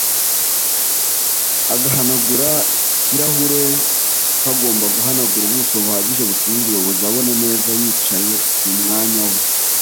agahanagura kirahure kagomba guhanagura ubuso buhagije butuma umuyobozi abona neza yicaye mumwanya we